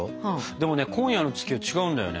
でもね今夜の月は違うんだよね。